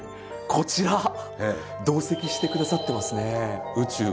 こちら同席してくださってますね。